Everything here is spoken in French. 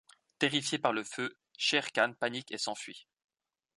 Terrifié par le feu, Shere Khan panique et s'enfuit.